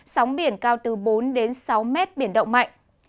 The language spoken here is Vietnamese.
sóng biển cao từ bốn đến sáu mét biển động mạnh